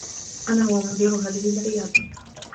أنا هو مدير هذه العيادة.